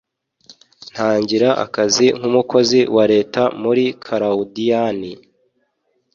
ntangira akazi nk'umukozi wa leta muri karawudiyani